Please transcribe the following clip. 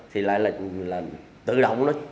thì lại là tự động